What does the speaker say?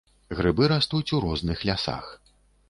Грыбы растуць у розных лясах.